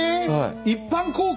一般公開？